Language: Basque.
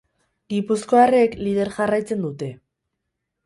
Gipuzkoarrek lider jarraitzen dute.